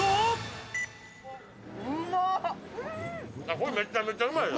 これめちゃくちゃうまいな。